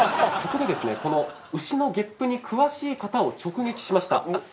そこでですね牛のゲップに詳しい方を直撃しました。